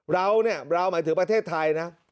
เราเนี่ยเราหมายถึงประเทศไทยนะ